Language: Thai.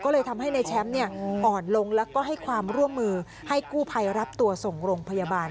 ก็เลยทำให้ในแชมป์อ่อนลงแล้วก็ให้ความร่วมมือให้กู้ภัยรับตัวส่งโรงพยาบาล